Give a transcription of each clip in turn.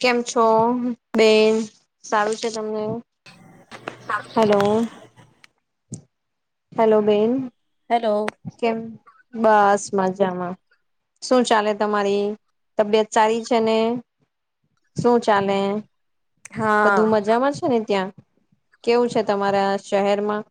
કેમ છો, બેન સારું છે તમને? હલો. હેલો બેન. હેલો કેમ? બસ મજામાં. શું ચાલે તમારી તબિયત સારી છે ને, શું ચાલે? બધું હા મજામાં છે ને ત્યાં? કેવું છે તમારા શહેરમાં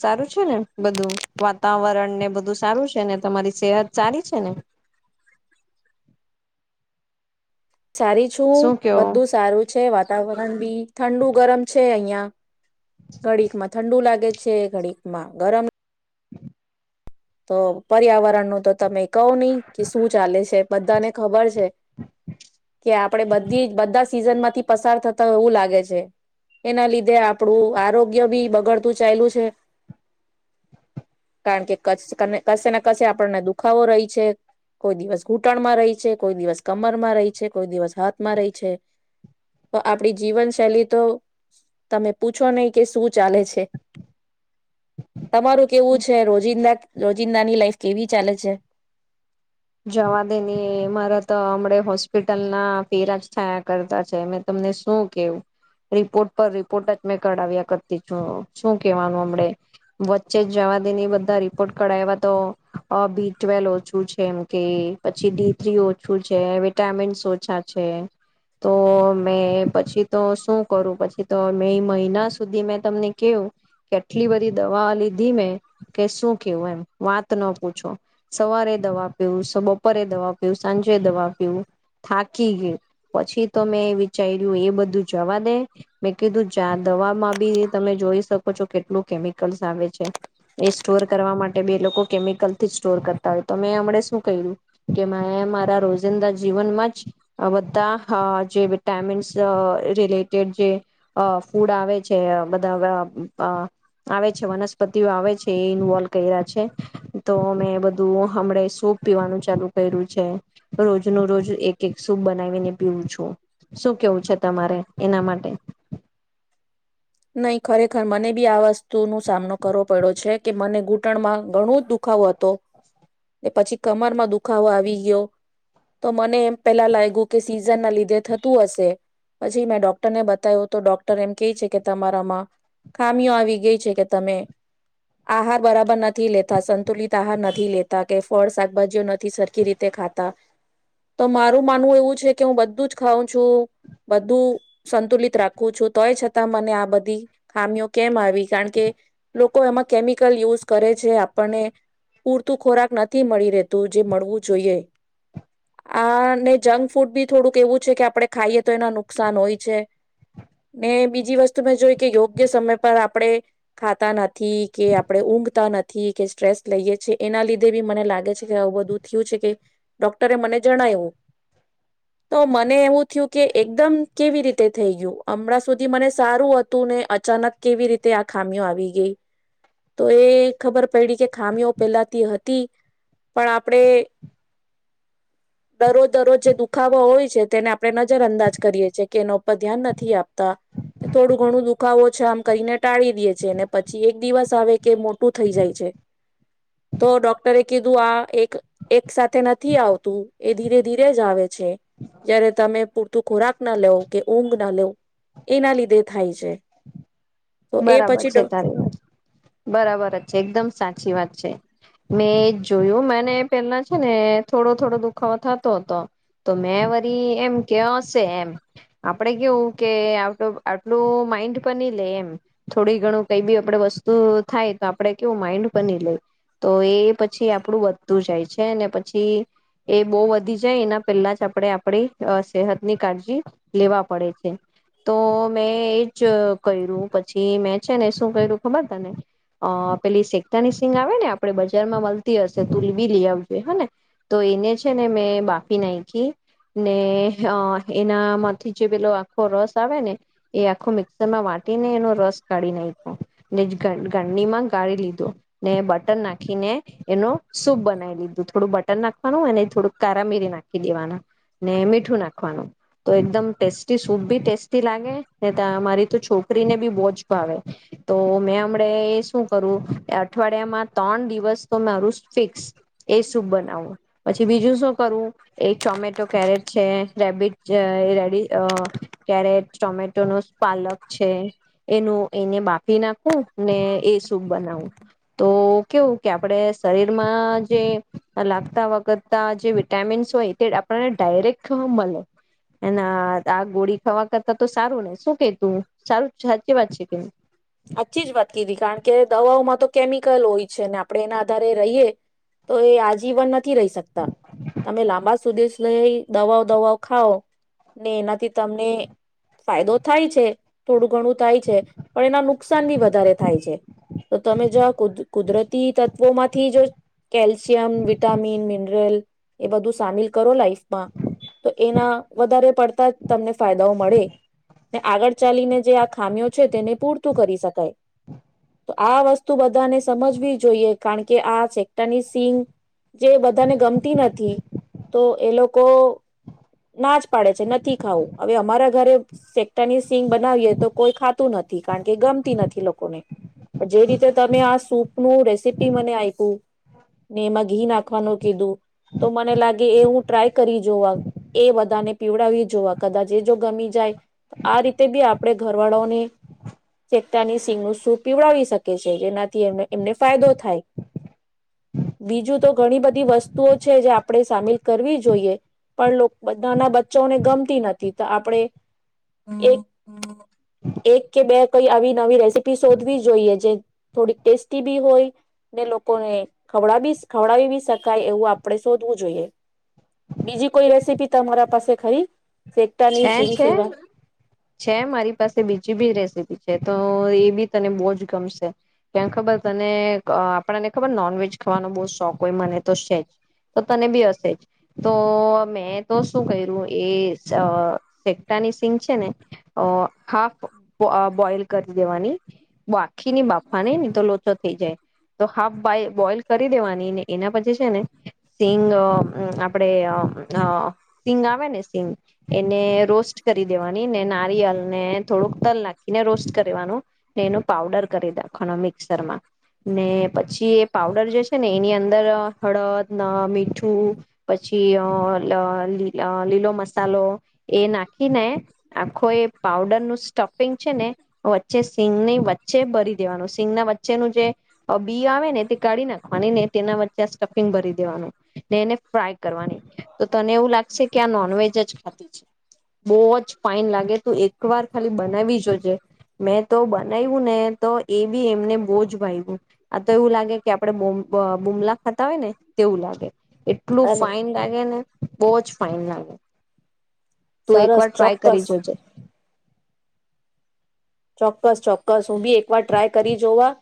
સારું? ને બધું વાતાવરણ ને બધું સારું છે ને, તમારી સેહત સારી છે ને? સારી છું, શું કયો બધું સારું છે વાતાવરણ બી ઠંડુ ગરમ છે અહિયાં. ઘડીકમાં ઠંડુ લાગે છે ઘડીકમાં ગરમ તો પર્યાવરણ નું તો તમે કઈ નહી કે શું ચાલે છે બધાને ખબર છે કે આપે બધી બધા સીઝન માંથી પસાર થતા હોય એવું લાગે છે. એના લીધે આપણું આરોગ્ય બી બગડતું ચાલલ્યું છે. કારણ કે કશે ને કશે આપણને દુખાવો રહી છે કોઈ દિવસ ઘૂંટણમાં રહી છે, કોઈ દિવસ કમરમાં રહી છે, કોઈ દિવસ હાથમાં રહી છે તો આપડી જીવનશૈલી તો તમે પૂછો નહી કે સુું ચાલે છે. તમારું કેવું છે રોજિંદા રોજિંદાની લાઈફ કેવી ચાલે છે? જવા દેની મારા તો હમ હોસ્પિટલના ફેરાજ થયા કરતા છે મેં તમને શું કેવું રિપોર્ટ પર રિપોર્ટ જ મેં કરાવ્યા કરતી છું. શું કેવાનું હમને વચ્ચે જ જવા દેની બધા રિપોર્ટ કરાવવા તો બી ટ્વેલ ઓછું છે એમ. કે પછી ડી થ્રી ઓછું છે, વિટામિન્સ ઓછા છે. તો મેં પછી તો શું કરું પછી તો મે મહિના સુધી મેં તમને કેવ કે આટલી બધી દવા લીધી મેં કે શું કેવું એમ વાત ન પૂછો સવારે દવા બપોરે દવા પીવ, સાંજે દવા પીવ થાકી ગયા પછી તો મેં વિચાર્યું એ બધું જવા દે મેં કીધું ચાર દવામાં બી તમે જોઈ શકો છો કેટલું કેમિકલ્સ આવે છે એ સ્ટોર કરવા માટે બે લોકો કેમિકલ થી જ સ્ટોર કરતા હોય તોમે હમને હુ કર્યું કે મે મારા રોજિંદા જીવનમાં જ બધા અ જે વિટામિન્સ અ રિલેટેડ જે અ ફૂડ આવે છે અ બધા આવે છે વનસ્પતિઓ આવે છે એ ઇન્વોલ્વ કર્યા છે તો મેં બધું હમને સુ પીવાનું ચાલુ કર્યું છે રોજનું રોજ એક એક સૂપ બનાવીને પીવું છું. શું કેવું છે તમારે એના માટે? નહી ખરેખર મને બી આ વસ્તુ નો સામનો કરવો પડ્યો છે કે મને ઘૂંટણમાં ઘણું જ દુખાવો હતો કે પછી કમરમાં દુખાવો આવી ગયો. તો મને એમ પેલા લાગ્યું કે સી ઝર ના લીધે થતું હશે. પછી મેં ડોક્ટર ને બતાવ્યું તો ડોક્ટર એમ કે છે કે તમારામાં ખામીઓ આવી ગઈ છે કે તમે આહાર બરાબર નથી, લેતા સંતુલિત આહાર નથી લેતા કે ફળ શાકભાજીઓ નથી સરખી રીતે ખાતા. તો મારું માનવું એવું છે કે હું બધું જ ખાઉં છું બધું સંતુલિત રાખું છું તોય છ તા મને આ બધી ખામીઓ કેમ આવી. કારણ કે લોકો એમાં કેમિકલ યુઝ કરે છે, આપણને પૂરતું ખોરાક નથી મળી રહેતું જે મળવું જોઈએ. આને જંક ફૂડ બી થોડુંક એવું છે કે આપણે ખાઈએ તો એના નુકસાન હોય છે. ને બીજ બીજી વસ્તુ મે જોઈ કે યોગ્ય સમય પર આપણે ખાતા નથી કે આપણે ઊંઘતા નથી કે સ્ટ્રેસ લઈએ છે. એના લીધે બી મને લાગે છે કે આવું બધું થયું છે કે ડોક્ટરે મને જણાયવું તો મને એવું થયું કે એકદમ કેવી રીતે થઈ ગયું હમણાં સુધી મને સારું હતું ને અચાનક કેવી રીતે આ ખામીઓ આવી ગઈ તો એ ખબર પડી કે ખામીઓ પેલાથી હતી. પણ આપણેે દરરોજ દરરોજ જે દુખાવો હોય છે તેને આપણે નજર અંદાજ કરીએ છેએ કે એના ઉપર ધ્યાન નથી આપતા. થોડું ઘણું દુખાવો છે આમ કરીને ટાળી દે છે ને પછી એક દિવસ આવે કે મોટું થઈ જાય છે. તો ડોક્ટરે કીધું આ એક એક સાથે નથી આવતું એ ધીરે ધીરે જ આવે છે જયારે તમે પૂરતું ખોરાક ના લેવ કે ઊંઘ ના લેવ એના લીધે તેે થાય છે. તો એ બરાબર પછી છે તારી વાત. બરાબર જ છે એકદમ સાચી વાત [unintelligible] મેં એ જોયું મને પેલા છે ને થોડો થોડો દુખાવો થતો હતો તો મેં વરી એમ કે હશે એમ. આપડે કેવું કે આટલું માઈન્ડ પર ની લઈ એમ. થોડી ઘણું કઈ બી આપણે વસ્તુ થાય તો આપણે કેવું માઈન્ડ બની લઈ એ તો એ પછી આપડું વધતું જાય છે. છે ને પછી એ બવ વધી જાય એના પેલા જ આપણે આપડી સેહત ની કાળજી લેવા પડે છે. તો મેં એજ કર્યું પછી મેં છે ને શું કરું ખબર તને અ પેલી શેકતાની સિંગ આવે ને આપડે બજારમાં મળતી હશે તુલ બી લઈ આવજે હે ને તો એને છે ને મેં બાફી નાયખી ને એનામાંથી જે પેલો આખો રસ આવે ને એ આખો મિક્સર માં વાટીને એનો રસ કાઢી નાયખો ને ગરનીમાં ગાળી લીધું ને બટર નાખીને એનો સૂપ બનાવી લીધું. થોડું બટર નાખવાનું અને થોડું કા મીરી નાખી દેવાનું ને મીઠું નાખવાનું તો એકદમ ટેસ્ટી સૂપ બી ટેસ્ટી લાગે ને તમારી તો છોકરીને બી બવ જ ભાવે. તો મેં હમને શું કરું અઠવાડિયામાં ત્રણ દિવસ તો મારું ફિક્સ એ બનાવું. પછી બીજું શું કરવું એક ટોમેટો કેરેટ છે, રેબીટ છે અ રેબ અ કેરેટ ટોમેટો નો પાલક છે. એને બાફી નાખવું ને એ સૂપ બનાવું તો કેવું કે આપણેે શરીરમાં જે લાગતા વગતા જે વિટામીન્સ હોય તે આપણને ડાયરેક્ટ મળે એના આ ગોળી ખાવા કરતા તો સારું ને શું કે તું સારું છ કેવા છે કઈ. આછી જ વાત કીધી કારણ કે દવાઓમાં તો કેમિકલ હોય છે આપણે એના આધારે રહીએ તો એ આજીવન નથી રહી શકતા તમે લાંબા સુદેશ લઈ દવાઓ દવાઓ ખાઓ ને એનાથી તમને ફાયદો થાય છે થોડું ઘણું થાય છે પણ એના નુ નુકસાન બી વધારે થાય છે. તો તમે જ કુદરતી તત્વો માંથી જો કેલ્શિયમ, વિટામિન, મિનરલ એ બધું સામેલ કરો લાઈફ માં તો એના વધારે પડતા જ તમને ફાયદાઓ મળે. ને આગળ ચાલીને જે આ ખામીઓ છે તેને પૂર આ વસ્તુ બધાને સમજવી જોઈએ કારણ કે આ સેક્ટાની સીંગ જે બધાને ગમતી નથી તો એ લોકો નાચ પાડે છે નથી ખાવું હવે અમારા ઘરે સેક્ટાની સિંગ બનાવીએ તો કોઈ ખાતું નથી. કારણ કે ગમતી નથી લોકોને પણ જે રીતે તમે આ સૂપનું રેસીપી મને આપ્યું ને એમાં ઘી નાખવાનું કીધું તો મને લાગે એ હું ટ્રાય કરી જોવા. એ બધાને પીવડાવી જોવા કદાચ એ જો ગમી જાય તો આ રીતે બી આપણે ઘરવાળાઓને ચેતાની સિંગ નું સૂપ પીવડાવી શકે છે, જેનાથી એમને એમને ફાયદો થાય બીજું તો ઘણી બધી વસ્તુઓ છે જે આપણે સામેલ કરવી જોઈએ પણ બ નાના બચ્ચાને ગમતી નથી તો આપણે એક એક કે બે કઈ આવી નવી રેસીપી શોધવી જોઈએ જે થોડીક ટેસ્ટી બી હોય ને લોકોને ખવડાવીસ ખવડાવી બી શકાય એવું આપણે શોધવું જોઈએ. બીજી કોઈ રેસીપી તમારા પાસે ખરી? શેકટાની છે સિંગ છે સિવાય છે મારી પાસે બીજી બી રેસીપ પી છે તો એ બી તને બહુ જ ગમશે. કેમ ખબર તને આહ આપણને ખબર નોનવેજ ખાવાનો બહું શોખ હોય મને તો છેજ તો તને બી હશે જ. તો મેં તો શું કર્યું એ અહ શેકટાની સિંગ છે ને અહ હાફ બો-બોઈલ કરી દેવાની બાખીની બાફવા ની ને તો લોચો થઈ જાય. તો હાફ બાઈલ-બોઈલ કરી દેવાની એના પછી છે ને સિંગ અહ આપડે અહ અહ સિંગ આવે ને સિંગ એને રોસ્ટ કરી દેવાની ને નારિયેળ ને થોડુંક તલ નાખીને રોસ્ટ કરવાનું એનું પાવડર કરી નાખવાનું મિક્સરમાં. ને પછી એ પાવડર જે છે ને એની અંદર હળદ ના મીઠું પછી અહ લ-લી-લીલો મસ સાલો એ નાખીને આખો એ પાવડર નું સ્ટક ફિંગ છે ને વચ્ચે સિંગ ની વચ્ચે ભરી દેવાનું સિંગ ના વચ્ચેનું જે અહ બી આવે ને તે કાઢી નાખવાની ને તેના વચ્ચે સ્ટફિંગ ભરી દેવાનું. ને એને ફ્રાય કરવાની તો તને એવું લાગશે કે આ નોનવેજ ચાખા તીજ બહોજ ફાઈન લાગે તું એક વાર ખાલી બનાવી જોજે મેં તો બનાવ્યું ને તો એ બી એમને બહુ જ ભય્યું. આ તો એવું લાગે કે આપડે બુમ અહ બુમલા ખાતા હોય ને તેવું લાગે. એટલું અરે ફાઈન લાગે ને બોહજ ફઇન લાગે. તું સરસ એકવાર ટ્રાય કરી ચોક્કસ. જોજે ચોક્કસ ચોક્કસ હું બી એક વાર ટ્રાય કરી જોવા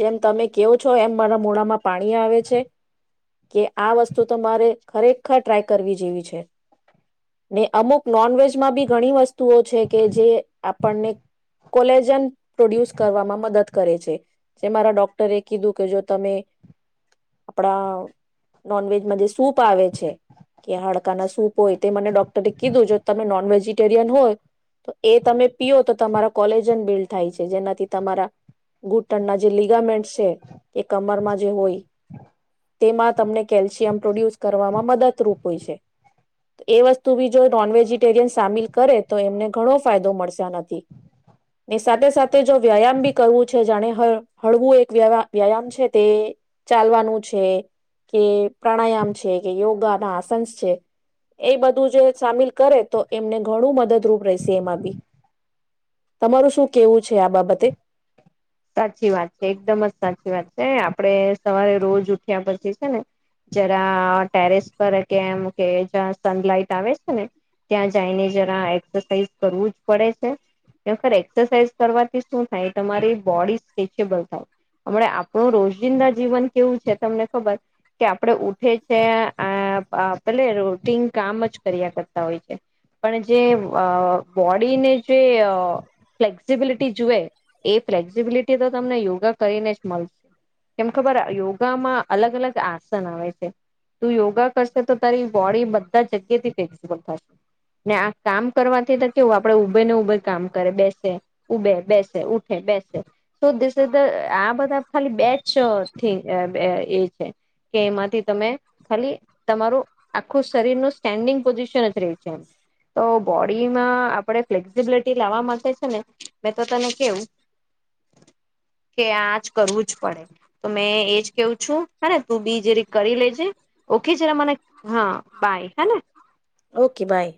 જેમ તમે કહો છો એમ મારા મોડામાં પાણી આવે છે. કે આ વસ્તુ તમારે ખરેખર ટ્રાય કરવી જેવી છે. ને અમુક નોનવેજમાં બી ઘણી વસ્તુઓ છે કે જે આપણને કોલેજન પ્રોડ્યુસ કરવામાં મદદ કરે છે જે મારા ડોક્ટરે કીધું કે જો તમે આપણા નોનવેજમાં જે સૂપ તો આવે છે કે હાડકાના સૂપ હોય તે મને ડોક્ટરે કીધું તમે નોનવેજી ટેરિયરન હોય તો એ તમે પીઓ તો તમારા કોલેજન બિલ્ડ થાય છે જેનાથી તમારા ઘૂંટણના જે લીગામેન્ટ છે કે કમરમાં જે હોય તેમાં તમને કેલ્શિયમ પ્રોડ્યુસ કરવામાં મદદરૂપ હોય છે એ વસ્તુ બી જો નોન વેજીિટેરિયન સામેલ કરે તો એમને ઘણો ફાયદો મળશે આના નથી. ને સાથે સાથે જો વ્યાયામ બી કરવું છે જાણે હળ-હળવું એક વ્યા-વ્યાયામ છે તે ચાલવાનું છે કે પ્રાણાયામ છે કે યોગાના આસંસ છે એ બધું જે સામેલ કરે તો એમને ઘણું મદદરૂપ રહેશે એમાં બી. તમારું શું કેવું છે આ બાબતે? સાચી વાત છે એકદમ જ સાચી વાત છે. આપડે સવારે રોજ ઉઠ્યા પછી છે ને જરા ટેરેસ પર કે એમ કે જ્યાં સનલાઈટ આવે છે ને ત્યાં જઈને જરા એક્સરસાઇઝ કરવું જ પડે છે. ને ખેર એક્સરસાઝ કરવાથી શું થાય તમારી બોડી સ્ટ્રેચેબલ થાય. હમણે આપણું રોજિંદા જીવન કેવું છે તમને ખબર કે આપણે ઉઠે છે એ આહ પેલે રોટીન કામ જ કર્યા કરતા હોય છે પણ જે અહ બોડીને જે અહ ફ્લેક્સિબિલિટી જુએ એ ફ્લેક્ઝિબિલિટી તો તમને યોગા કરીને જ મલશે. કેમ ખબર યોગામાં અલગ અલગ આસન આવે છે. તું યોગા કરશે તો તારી બોડી બધા જગ્યાથી ફ્લેક્ઝિબલ થશે ને આ કામ કરવાથી તો કેવું આપણેે ઉભે ને ઉભે કામ કરે બેસે ઉભે બેસે ઉઠ સે બેસે સુબે સુબે આ બધા ખાલી બેચ થી એ અહ છે કે એમાંથી તમે ખાલી તમારું આખું શરીર નું સ્ટેન્ડિંગ પોઝિશન જ રહું છે એમ. તો બોડીમાં આપણે ફ્લેક્સિબિલિટી લાવવા માટે છે ને મેં તો તને કેવું કે આજ કરવું જ પડે તો મેં એજ કેવું છું હેને તું બી જે રી કરી લેજે ઓકે છેને મને એક, હા બાય. હેને? Okay by.